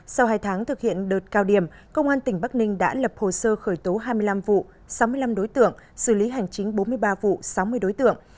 sau hai tháng thực hiện đợt cao điểm công an tỉnh bắc ninh đã lập hồ sơ khởi tố hai mươi năm vụ sáu mươi năm đối tượng xử lý hành chính bốn mươi ba vụ sáu mươi đối tượng